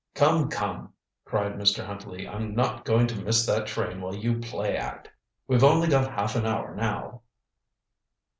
"Come, come!" cried Mr. Huntley. "I'm not going to miss that train while you play act. We've only got half an hour, now."